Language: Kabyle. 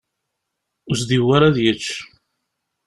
Ur as-d-yewwi ara ad yečč.